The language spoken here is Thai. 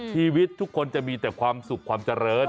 ชีวิตทุกคนจะมีแต่ความสุขความเจริญ